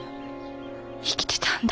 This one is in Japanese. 生きてたんだ。